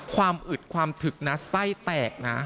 อึดความถึกนะไส้แตกนะ